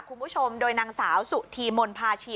คุณผู้ชมโดยนางสาวสุธีมนภาชี